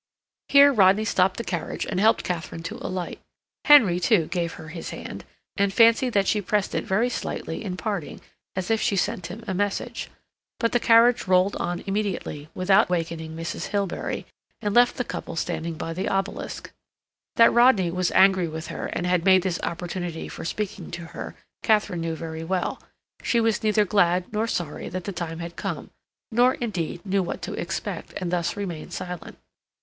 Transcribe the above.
Here Rodney stopped the carriage and helped Katharine to alight. Henry, too, gave her his hand, and fancied that she pressed it very slightly in parting as if she sent him a message. But the carriage rolled on immediately, without wakening Mrs. Hilbery, and left the couple standing by the obelisk. That Rodney was angry with her and had made this opportunity for speaking to her, Katharine knew very well; she was neither glad nor sorry that the time had come, nor, indeed, knew what to expect, and thus remained silent.